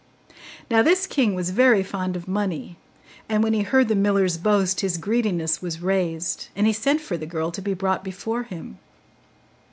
Now this king was very fond of money; and when he heard the miller's boast his greediness was raised, and he sent for the girl to be brought before him.